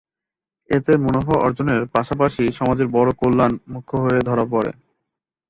এতে মুনাফা অর্জনের পাশাপাশি সমাজের কল্যাণ মুখ্য হয়ে ধরা পড়ে।